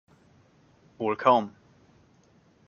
Wohl kaum.